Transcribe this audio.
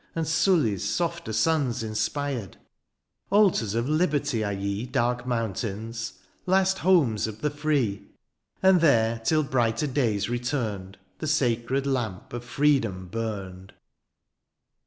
And Suli^s softer sons inspired : Altars of liberty are ye Dark mountains ! last homes of the free ! And there, till brighter days returned. The sacred lamp of freedom burned.